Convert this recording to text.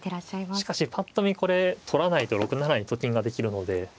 しかしぱっと見これ取らないと６七にと金ができるので。